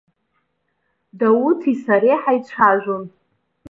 Дауҭи сареи ҳаицәажәон.